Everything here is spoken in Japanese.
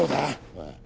おい。